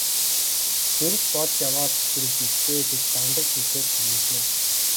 Тэр л болж яваа хэрэг биз ээ гэж Дондог хэлээд инээлээ.